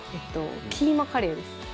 キーマカレーです